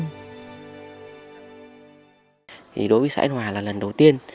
thì đối với xã hòa là lần đầu tiên